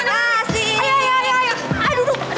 mas jaren duluan